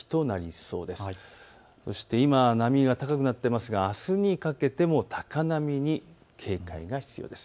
そして今、波が高くなっていますが、あすにかけても高波に警戒が必要です。